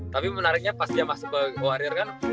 tapi menariknya pas dia masuk ke warrier kan